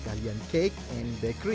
kalian cake and bakery